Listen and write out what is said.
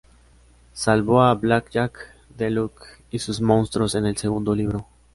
Salvó a Blackjack de Luke y sus monstruos en el segundo libro.